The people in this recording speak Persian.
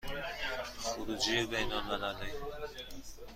خروجی بین المللی